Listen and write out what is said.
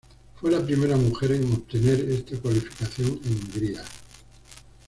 Fue la primera mujer en obtener esta cualificación en Hungría.